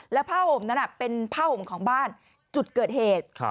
แล้วผ้าห่มนั้นเป็นผ้าห่มของบ้านจุดเกิดเหตุ